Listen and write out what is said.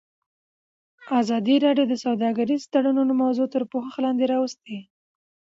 ازادي راډیو د سوداګریز تړونونه موضوع تر پوښښ لاندې راوستې.